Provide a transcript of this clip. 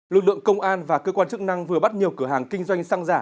lực lượng công an và cơ quan chức năng vừa bắt nhiều cửa hàng kinh doanh xăng giả